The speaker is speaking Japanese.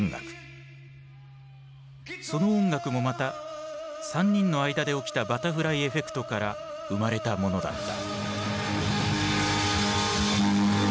その音楽もまた３人の間で起きたバタフライエフェクトから生まれたものだった。